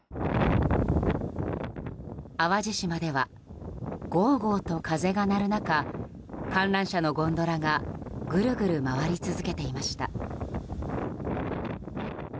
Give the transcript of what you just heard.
淡路島ではごうごうと風が鳴る中観覧車のゴンドラがぐるぐる回り続けていました。